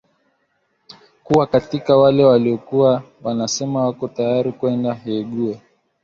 kuwa katika wale walokuwa wanasema wako tayari kwenda hague